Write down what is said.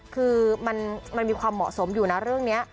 คือมันมีความเหมาะสมอยู่นะเรื่องนี้